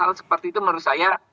hal seperti itu menurut saya